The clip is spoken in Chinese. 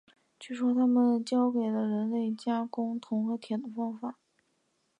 据说他们教给了人类加工铜和铁的方法。